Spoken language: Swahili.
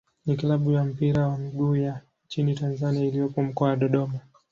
ni klabu ya mpira wa miguu ya nchini Tanzania iliyopo Mkoa wa Dodoma.